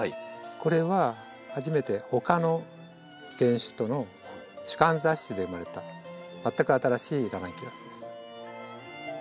これは初めてほかの原種との種間雑種で生まれた全く新しいラナンキュラスです。